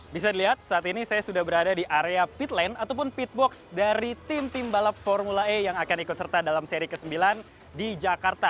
bisa dilihat saat ini saya sudah berada di area pitland ataupun pitbox dari tim tim balap formula e yang akan ikut serta dalam seri ke sembilan di jakarta